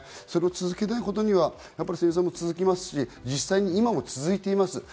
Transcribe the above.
それを続けないことには戦争も続きますし、実際今も続いています。